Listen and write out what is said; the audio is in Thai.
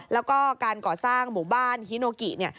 แล้วก็การก่อสร้างหมู่บ้านฮิโนกิเนี่ย